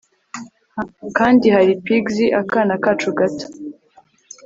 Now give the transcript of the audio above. kandi hari Pixie akana kacu gato